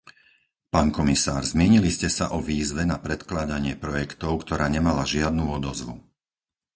Pán Komisár, zmienili ste sa o výzve na predkladanie projektov, ktorá nemala žiadnu odozvu.